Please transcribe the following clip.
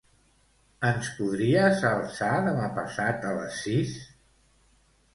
Ens podries alçar demà passat a les sis?